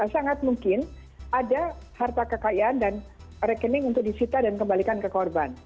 sangat mungkin ada harta kekayaan dan rekening untuk disita dan kembalikan ke korban